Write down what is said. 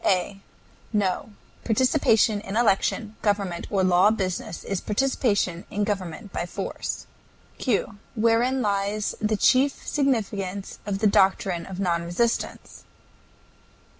A. No; participation in election, government, or law business is participation in government by force. Q. Wherein lies the chief significance of the doctrine of non resistance?